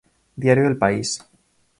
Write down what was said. Diario El País.